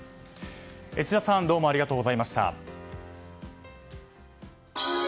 千田さんどうもありがとうございました。